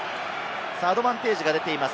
アドバンテージが出ています。